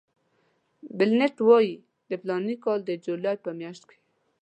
بلنټ وایي د فلاني کال د جولای په میاشت کې.